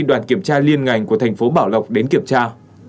đoàn kiểm tra liên ngành của thành phố bảo lộc đến kiểm tra